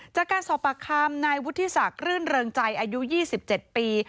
จากการสอบปากคำนายวุฒิศักดิ์รื่นเริงใจอายุ๒๗ปี